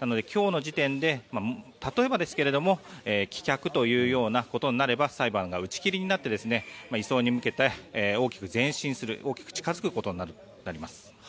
なので今日の時点で例えばですけれども棄却ということになれば裁判が打ち切りになって移送に向けて大きく前進する大きく近付くことになります。